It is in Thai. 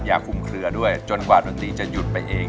อย่าคุมเคลือด้วยจนกว่าดนตรีจะหยุดไปเอง